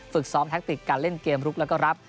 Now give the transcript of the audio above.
ฝึกซ้อมแท็กติกการเล่นเกมลุกแล้วก็รับ